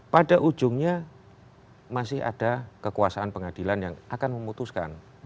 pada ujungnya masih ada kekuasaan pengadilan yang akan memutuskan